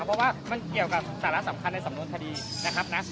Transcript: เพราะว่ามันเกี่ยวกับสาระสำคัญในสำนวนคดีนะครับนะ